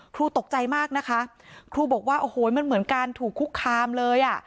ตกใจมากนะคะครูบอกว่าโอ้โหมันเหมือนการถูกคุกคามเลยอ่ะ